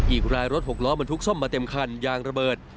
อีกรายรถหกล้อบรรทุกซ่อมมาเต็มคันยางระเบิด